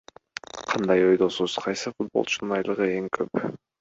Кандай ойдосуз, кайсы футболчунун айлыгы эң көп?